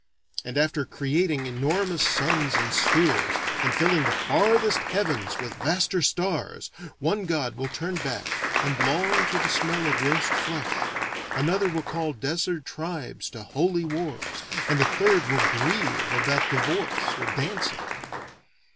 And after creating enormous suns and spheres, and filling the farthest heavens with vaster stars, one god will turn back and long for the smell of roast flesh, another will call desert tribes to "holy" wars, and a third will grieve about divorce or dancing.